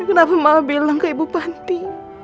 kenapa mau bilang ke ibu panti